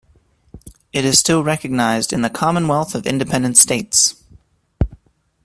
It is still recognised in the Commonwealth of Independent States.